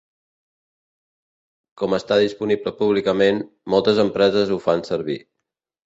Com està disponible públicament, moltes empreses ho fan servir.